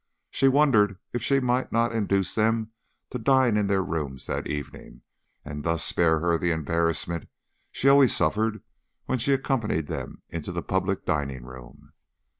She wondered if she might not induce them to dine in their rooms that evening, and thus spare herself the embarrassment she always suffered when she accompanied them into the public dining room.